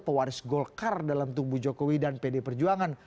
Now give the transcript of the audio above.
pewaris golkar dalam tubuh jokowi dan pd perjuangan